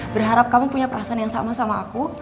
berharap kamu punya perasaan yang sama sama aku